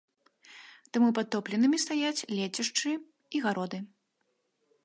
Таму падтопленымі стаяць лецішчы і гароды.